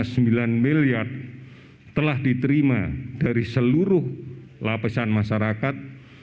lebih dari delapan puluh dua miliar telah diterima dari seluruh lapisan masyarakat